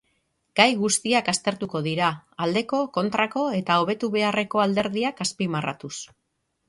Gai guztiak aztertuko dira, aldeko, kontrako eta hobetu beharreko alderdiak azpimarratuz.